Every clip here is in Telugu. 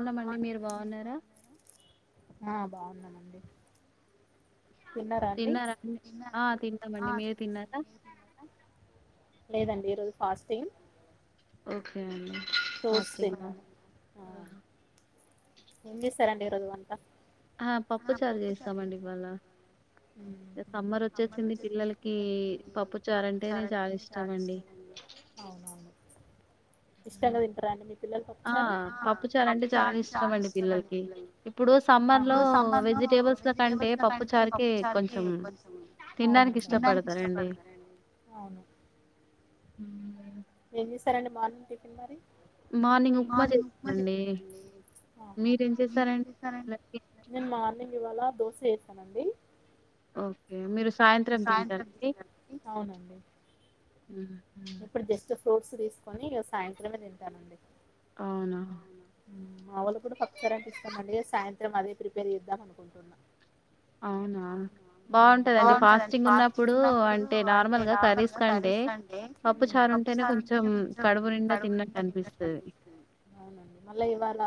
ఆ బాగున్నానండి నేను బాగున్నాను ఆ బాగున్నానండి తిన్నారా అండి తిన్నారా [unintelligible] లేదండి ఈరోజు ఫాస్టింగ్ ఓకే అండి ఫాస్టింగ్ ఎం చేస్తారం అండి ఈరోజు అంతా ఆ పప్పు చారు చేస్తామండి ఇవాళ సమ్మర్ వచ్చేసింది పిల్లలకి పప్పు చారంటేనే చాలా ఇష్టం అండి అవునవును ఆ పప్పు చారా అంటే చాలా ఇష్టం అండి పిల్లలకి ఇప్పుడు సమ్మర్ లో వెజిటేబుల్స్ కంటే పప్పు చారుకే కొంచెం తినడానికి ఇష్టపడతారంండి అవును హ ఏం చేశారంండి మార్నింగ్ టిఫిన్ మరి మార్నింగ్ ఉప్మా చేశానండి ఆహా మీరేం చేస్తాను నేను మార్నింగ్ ఇవాళ దోశ వేసాను ఆండీ ఓకే మీరు సాయంత్రం దిగకి అవునండి ఇప్పుడు జస్ట్ ఫ్రూట్స్ తీసుకొని సాయంత్రమే తింటామండి వు మావలు కూడా పప్చర్ అంటే ఇస్తం అండి సాయంత్రం మాత్రం అదే ప్రిపేర్ చేద్దాం అనుకుంటున్నాం బాగుంటదండి ఫాస్టింగ్ ఉన్నప్పుడు అంటే నార్మల్గా సర తీసు [unintelligible] ఉప్పు చారు ఉంటేనే కొంచెం కడువు నిండా తినక అనిపిస్తుంది అవునండి మళ్ళా ఇవాళ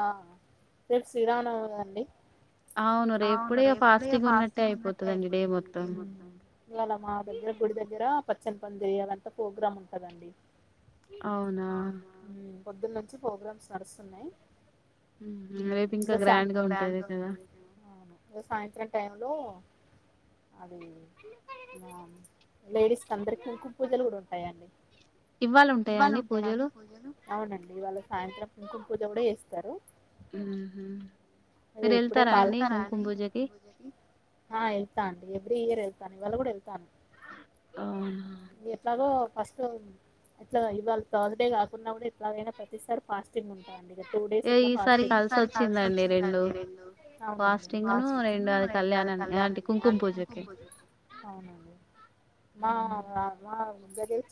రేపు శ్రీరామనవమి కదండీ ఆవు అవున ఎప్పుడే ఫాస్టింగ్ ఉన్నట్టే అయిపోతుందిండి ఏ ఇవాళ మా దగ్గర గుడి దగ్గర చినపం అలంతా ప్రోగ్రామ్ ఉంటదండి అవునా పొద్దున్న నుంచి ప్రోగ్రామ్స్ నడుస్తున్నాయి [unintelligible] ఉంటా సాయంత్రం టైమ్ లో అది లేడీస్ క అందరి కుంకుమ పూజలు కూడా ఉంటాయండి ఇవవాళ ఉంటాయాని పూజలు అవునండి వావాళ సాయంత్రం కుంకుమ పూజ కూడా చేస్తారు ఉమ్ అ ఇప్పుడే పల్తారా అని ఇంక పూజకి వెతా అండి ఎవ్రీ ఇయర్ వెళ్తాను ఇవాళ కూడా వెళ్తాను ఎట్లాగో ఫస్ట్ అట్లా ఇవాళ థార్స్డే కాకుండా కూడా ఎట్లాగైనా ప్రతిసారి ఫాస్టింగ్ ఉంటుండి ఇ టూ డేస్ ఫస్ కలిసి వచ్చిందం ర అవున రెండు వది కళ్యాణాం అలాంటి కుంకుమ పూజకి అవునండి మా మా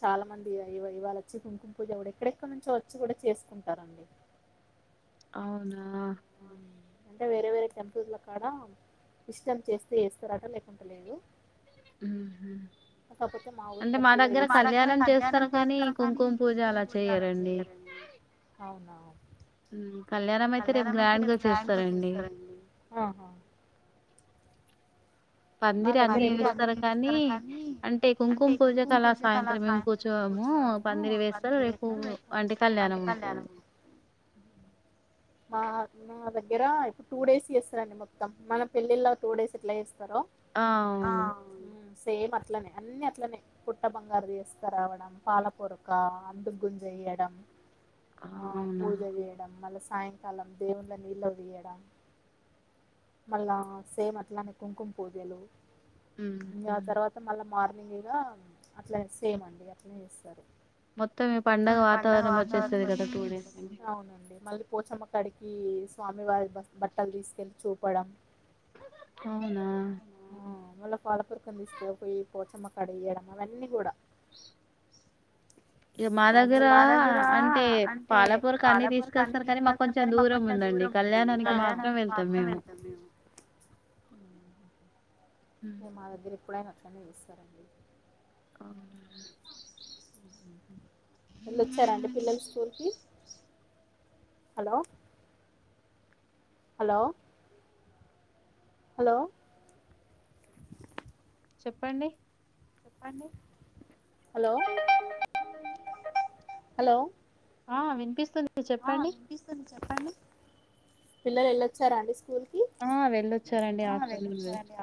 చాలా మంది ఇవాళ వచ్చి కుంకుమ పూజ కూడా ఎక్కడెక్కడ నుంచో వచ్చి కూడా చేసుకుంటారండి అవునా అంటే వేరే వేరే టెంపూస్ లో కా ఇష్టం చేస్తే వేస్తారట లేకుం లేదు ఉ అంటే మా దగ్గర కళ్యాణం చేస్తారు కానీ కుంకుమ పూజ అలా చేయరండి కళ్యాణం అయితే రే గ్రా రేపు గ్రాన్డ్ గా చేస్తారా పందిరి అన్ని ఇస్తారు కానీ అంటే కుంకుమ పూజకులా సాయంత్రం కూచ మో పందిరు వేస్తారు రేపు అంటే కళ్యాణం ఉంటుంది ఆ మా దగ్గర ఇప్పుడు టూ డేస్ చేస్తారండి మొత్తం మనం పెళ్లిళ్ల టూ డేస్ ఎట్లా చేస్తారు ఆ సేమ్ అట్లనే అన్ని అట్లనే పుట్ట బంగారు తీసుక రావడం పాల పొరక అందుగుంజయి తీయడం పూజ చేయడం మళ్ళ సాయంకాలం దేవుళ్ళ నీళ్ళ తీయడం మళ్ళ సేమట్లానే కుంకుం పూజలు ఇగ తర్వాత మళ్ళ మార్ నింగ్ అట్లా సేమ్ అండి అట్లా చేస్తారు మొత్తం పండుగ వాతావరణం వచ్చేస్తుంది కదాండి మళ్ళీ పోచమ్మక్కడికి స్వామివారి బట్టలు తీసుకెళ్ళి చూపడం అవునా ఆ మళ్ళీ పాలపురుకని తీస్తా పోయి పోచమ్మకాడ వేయడం అవన్నీ కూడా మా దగ్గర అంటే పాలపూర క అన్ని తీసుకొస్తారు కానీ మాకు కొంచెం దూరం ఉంది అండి కళ్యాణానికి మాత్రం వెళ్తాం మేము మీ మా దగ్గర ఎప్పుడైనా అట్లనే చేస్తారండి ఆ ఎళ్ళొచ్చారా అండి పిల్లల స్కూల్ కి హలో హలో హలో చెప్పండి చెప్పండి హలో హలో ఆ వినిపిస్తుంది ఆ వినిపిస్తుంది చెప్పండి పిల్లలు వెళ్ళొచ్చారాండి అండి స్కూల్ కి వెళ్ళిచ్చరండి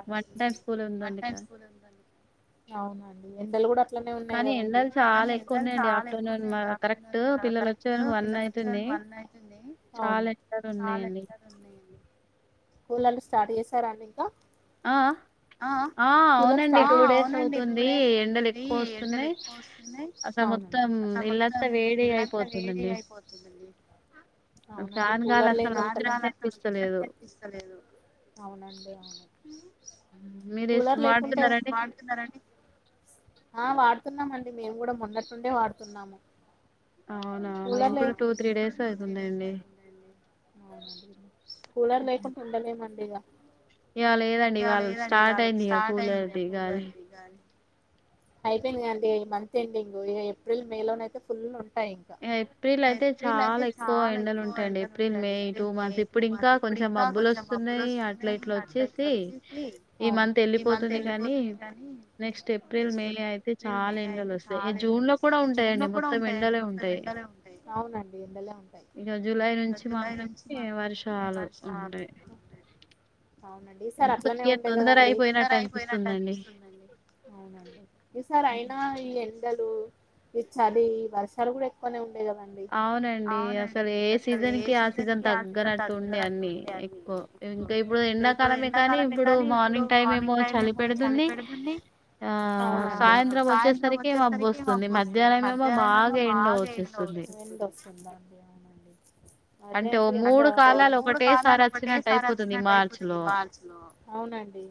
అవునండి ఎండలు కూడా ఉన్నాయి కదండి కానీ ఎండలు చాలా ఎక్కువ ఉన్నాయి ఆఫ్టర్నూన్ కరెక్ట్ పిల్లలు వన్ అయితుంది అవును చాలా ఎక్కువ ఉన్నాయండి స్కూల్లు స్టార్ట్ చేసారా అండి ఇంకా ఆ ఆ ఆ అవునండి టూ డేస్ అవుతుంది ఎండలు ఎక్కువ వస్తున్నాయి అ మొత్తం ఇళ్లంతా వేడి అయిపోతుందండి అవునండి కూలర్లు అవునండి అవును కూలర్ లేకుంటే ఆ వాడుతున్నామండి మేము కూడా మొన్నట్టుండే వాడుతున్నాము అవునా మేము కూడా టూ త్రీ డేస్ అవుతుందండి అవునండి కూలర్ లేకుండా ఉండలేమండి ఇక ఇక లేదండి ఇక స్టార్ట్ అయింది ఇక కూలర్ ది గాలి అయిపోయిందిండి ఈ మంత్ ఎండింగ్ ఏప్రిల్ మే లోన అయితే ఫుల్ ఉంటంది ఏప్రిల్ ఏప్రిల్ అయితే చాలా ఎక్కువ ఎండలు ఉంటాయండి ఏప్రిల్ మే టూ మంత్స్ ఇప్పుడు ఇంకా కొంచెం మబ్బులు వస్తున్నాయి వస్తున్నాయి అట్లా ఇట్లా వచ్చేసి ఈ మంత్ వేళ్లిపోతది కానీ నెక్స్ట్ ఏప్రిల్ మే అయితే చాలా ఎండలు వస్తాయి జూన్ లో కూడా ఉంటాయండి మొత్తం ఎండలే ఉంటాయి ఇక జూలై నుంచి మాత్రమే వర్షాలు ఉంటాయి అవునండి ఈ సార్ అట్లనే ఉండే కదా ఈ సారీ తొందర అయిపోయినట్టు అనిపిస్తుందండి అవునండి ఈసార్ అయినా ఈ ఎండలు ఈ చలి వర్షాలు కూడా ఎక్కువనే ఉన్న అండి అవునండి అసలు ఏ సీజన్ కి ఆ సీజన్ తగ్గనట్టు ఉండే అన్ని ఇప్పుడు ఎండాకాలమే కానీ ఇప్పుడు మార్నింగ్ టైమ్ ఏమో చలి పెడుతుంది అవునండి సాయంత్రం వచ్చేసరికి మబ్బు వస్తుంది మధ్యాహ్నమేమో బాగా ఎండ అవుతుంది ఎండ వస్తుందండి అంటే ఓ మూడు కాలాలు ఒకటేసారి వచ్చినట్టు అయిపోతుంది ఈ మార్చ్ లో